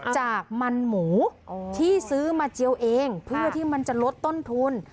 จากมันหมูที่ซื้อมาเจียวเองเพื่อที่มันจะลดต้นทุน